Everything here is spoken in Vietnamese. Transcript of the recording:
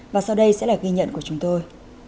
và sau đây sẽ là ghi nhận của chúng tôi